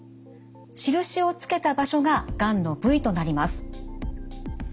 印をつけた場所ががんの部位となります。